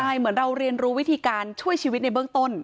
ใช่เหมือนเราเรียนรู้วิธีการช่วยชีวิตในเบื้องต้น